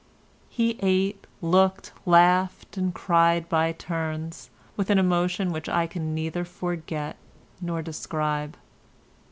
He ate, looked, laughed and cried by turns, with an emotion which I can neither forget nor describe.